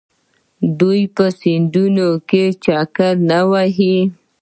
آیا دوی په سیندونو کې چکر نه وهي؟